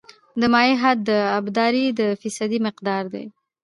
د مایع حد د ابدارۍ د فیصدي مقدار دی